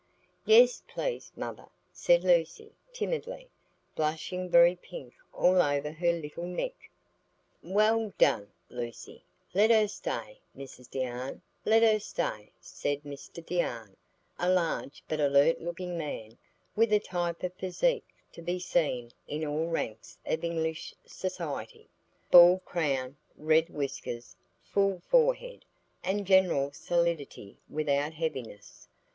"Yes, please, mother," said Lucy, timidly, blushing very pink all over her little neck. "Well done, Lucy! Let her stay, Mrs Deane, let her stay," said Mr Deane, a large but alert looking man, with a type of physique to be seen in all ranks of English society,—bald crown, red whiskers, full forehead, and general solidity without heaviness.